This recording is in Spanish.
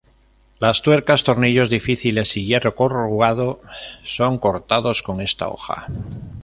Las tuercas, tornillos difíciles y hierro corrugado son cortados con esta hoja.